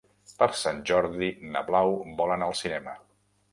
Per Sant Jordi na Blau vol anar al cinema.